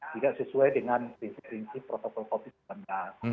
tidak sesuai dengan prinsip prinsip protokol covid sembilan belas